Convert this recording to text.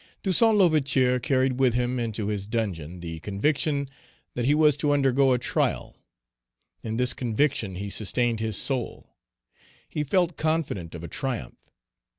Toussaint L'Ouverture carried with him into his dungeon the conviction that he was to undergo a trial. In this conviction he sustained his soul. He felt confident of a triumph.